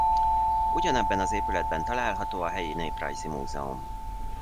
Ugyanebben az épületben található a helyi néprajzi múzeum.